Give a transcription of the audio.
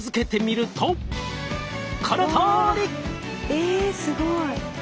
えすごい。